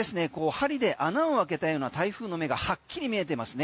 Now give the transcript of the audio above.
針で穴を開けたような台風の目がはっきり見えてますね。